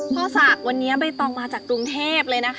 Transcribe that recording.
พ่อศักดิ์วันนี้เบ้นต้องมาจากกรุงเทพ